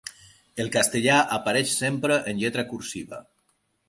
El castellà apareix sempre en lletra cursiva.